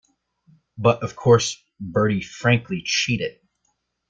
But, of course, Bertie frankly cheated.